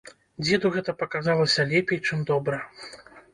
Дзеду гэта паказалася лепей, чым добра.